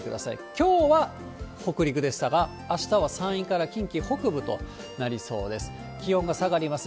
きょうは北陸でしたが、あしたは山陰から近畿北部となりそうです。